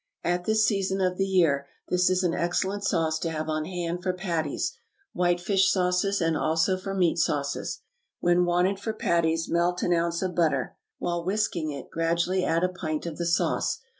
At this season of the year this is an excellent sauce to have on hand for patties, white fish sauces, and also for meat sauces. When wanted for patties, melt an ounce of butter. While whisking it, gradually add a pint of the sauce.